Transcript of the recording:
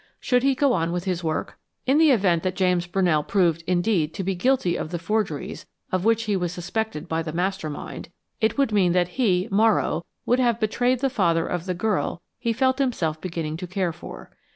Should he go on with his work? In the event that James Brunell proved, indeed, to be guilty of the forgeries of which he was suspected by the Master Mind, it would mean that he, Morrow, would have betrayed the father of the girl he felt himself beginning to care for.